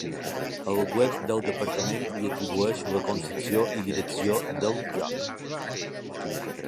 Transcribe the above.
El web del Departament li atribueix la concepció i direcció del joc.